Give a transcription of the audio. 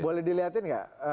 boleh dilihatin nggak